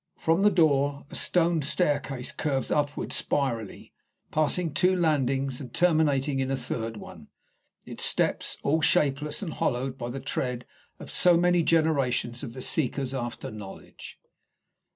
From the door a stone stair curves upward spirally, passing two landings, and terminating in a third one, its steps all shapeless and hollowed by the tread of so many generations of the seekers after knowledge.